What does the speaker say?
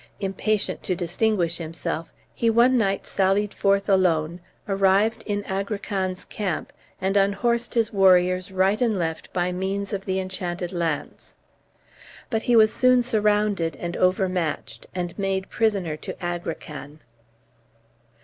Impatient to distinguish himself, he one night sallied forth alone, arrived in Agrican's camp, and unhorsed his warriors right and left by means of the enchanted lance. But he was soon surrounded and overmatched, and made prisoner to Agrican.